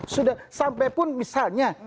sudah sampai pun misalnya